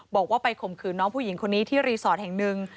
บอกว่าไปข่มขืนน้องผู้หญิงคนนี้ที่รีสอร์ทแห่งหนึ่ง